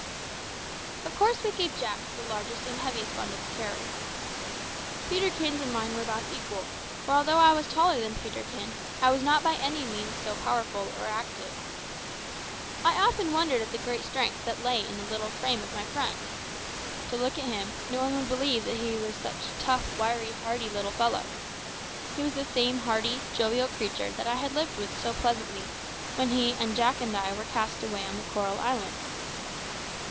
Of course we gave Jack the largest and heaviest bundle to carry. Peterkin's and mine were about equal, for although I was taller than Peterkin, I was not by any means so powerful or active. I often wondered at the great strength that lay in the little frame of my friend. To look at him, no one would believe that he was such a tough, wiry, hardy little fellow. He was the same hearty, jovial creature that I had lived with so pleasantly when he and Jack and I were cast away on the coral island.